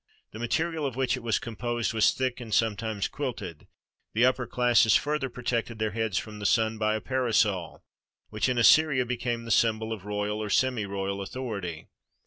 The material of which it was composed was thick and sometimes quilted; the upper classes further protected their heads from the sun by a parasol, which in Assyria became the symbol of royal or semi royal authority.